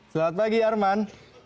selamat pagi arman